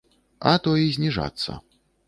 А то і зніжацца.